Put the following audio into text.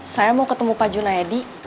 saya mau ketemu pak juna edi